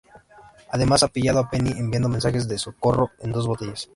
Además, ha pillado a Penny enviando mensajes de socorro en botellas.